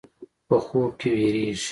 په خوب کې وېرېږي.